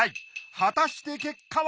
果たして結果は！？